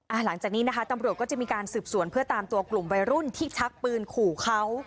หลังจากนี้นะคะตำรวจก็จะมีการสืบสวนเพื่อตามตัวกลุ่มวัยรุ่นที่ชักปืนขู่เขา